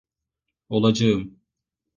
Olacağım.